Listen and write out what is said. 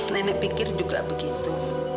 nenek pikir juga begitu